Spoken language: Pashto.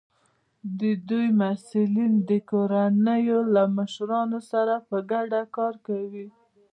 د دوی مسؤلین د کورنیو له مشرانو سره په ګډه کار کوي.